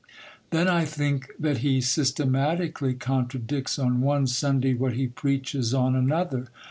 Then I think that he systematically contradicts on one Sunday what he preaches on another.